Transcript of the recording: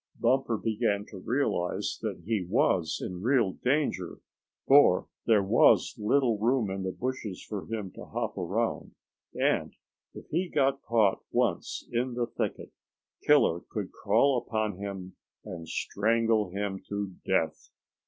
Bumper began to realize that he was in real danger, for there was little room in the bushes for him to hop around, and if he got caught once in the thicket Killer could crawl upon him and strangle him to death.